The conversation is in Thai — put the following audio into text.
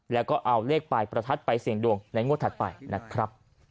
แล้วก็เอาเลขปลายประทัดไปเสี่ยงดวงในงวดถัดไปนะครับ